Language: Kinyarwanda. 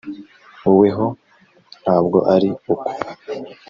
wowe ho ntabwo ari uko,